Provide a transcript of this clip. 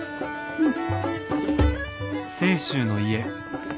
うん。